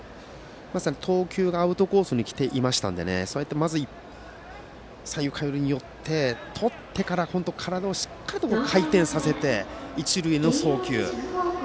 まさに投球がアウトコースに来ていましたのでまず三塁に寄ってとってから体をしっかり回転させて一塁への送球。